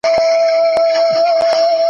اقتصادي تعاون ټولنه د پرمختګ خوا ته بیايي.